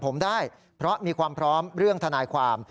ผมได้เพราะมีความพร้อมเรื่องทนายความ